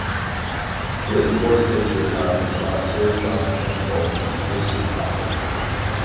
He was forced into retirement to allow Sir John Campbell to assume office.